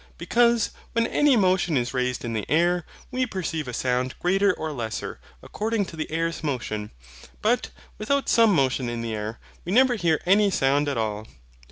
Because, when any motion is raised in the air, we perceive a sound greater or lesser, according to the air's motion; but without some motion in the air, we never hear any sound at all.